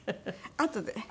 あとで？